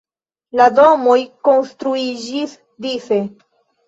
La domoj konstruiĝis dise.